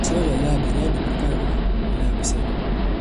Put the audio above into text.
Halmashauri ya Wilaya Bariadi inapakana na Wilaya ya Busega